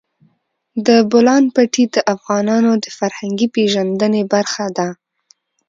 د بولان پټي د افغانانو د فرهنګي پیژندنې برخه ده.